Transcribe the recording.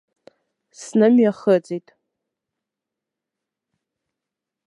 Снымҩахыҵит.